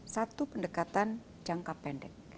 satu pendekatan jangka pendek